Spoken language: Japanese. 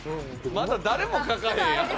まだ誰も書かへんやん。